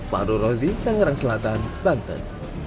halzi tangerang selatan banten